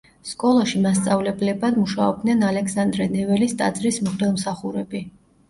სკოლაში მასწავლებლებად მუშაობდნენ ალექსანდრე ნეველის ტაძრის მღვდელმსახურები.